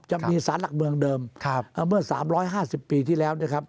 จะมีสารหลักเมืองเดิมเมื่อ๓๕๐ปีที่แล้วนะครับ